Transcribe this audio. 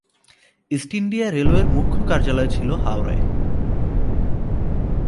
East India রেলওয়ের মুখ্য কার্যালয় ছিল হাওড়ায়।